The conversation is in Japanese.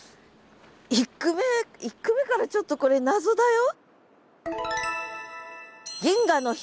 １句目１句目からちょっとこれ謎だよ。